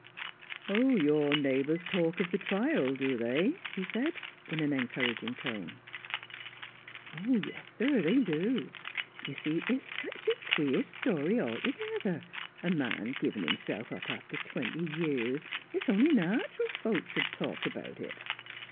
' Oh, your neighbours talk of the trial, do they ?' he said, in an encouraging tone. ' Yes, sir, they do. You see it's such a queer story altogether, a man giving himself up after twenty years. It's only natural folks should talk about it.